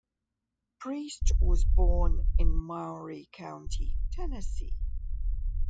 Priest was born in Maury County, Tennessee.